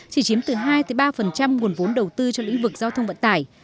chỉ chiếm từ hai ba nguồn vốn đầu tư cho lĩnh vực giao thông vận tải